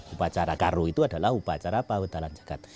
upacara karu itu adalah upacara pawedalan jagad